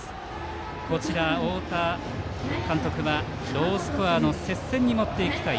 立正大淞南の太田監督はロースコアの接戦に持っていきたい。